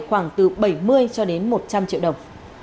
khoảng từ bảy mươi cho đến một trăm linh triệu đồng